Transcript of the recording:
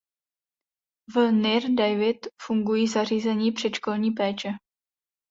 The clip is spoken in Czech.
V Nir David fungují zařízení předškolní péče.